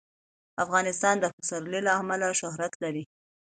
افغانستان د پسرلی له امله شهرت لري.